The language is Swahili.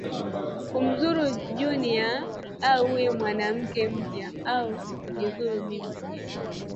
kumdhuru Junior au huyo mkewe mpya au kujidhuru mimi mwenyewe